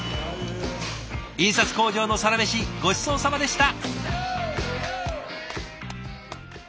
印刷工場のサラメシごちそうさまでした。